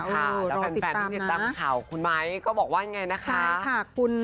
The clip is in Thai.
เราเป็นแฟนติดตามข่าวคุณไมค์ก็บอกว่าอย่างไรนะคะ